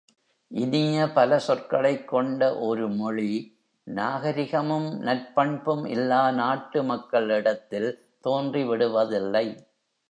இனிய பல சொற்களைக் கொண்ட ஒரு மொழி, நாகரிகமும் நற்பண்பும் இல்லா நாட்டு மக்களிடத்தில் தோன்றி விடுவதில்லை.